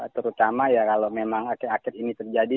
terutama ya kalau memang akhir akhir ini terjadi